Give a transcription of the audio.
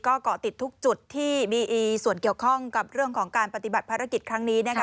ก็เกาะติดทุกจุดที่มีส่วนเกี่ยวข้องกับเรื่องของการปฏิบัติภารกิจครั้งนี้นะคะ